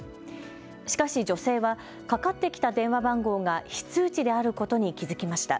しかし女性はかかってきた電話番号が非通知であることに気付きました。